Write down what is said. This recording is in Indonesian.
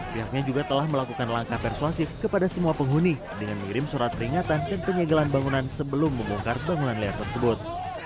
pihaknya juga telah melakukan langkah persuasif kepada semua penghuni dengan mengirim surat peringatan dan penyegelan bangunan sebelum membongkar bangunan liar tersebut